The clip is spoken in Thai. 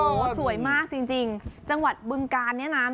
โอ้โหสวยมากจริงจังหวัดบึงกาลเนี่ยนะ